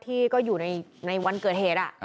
ที่ก็อยู่ในวันเกิดเหตุ